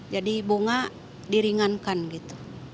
jadi bunga diringankan gitu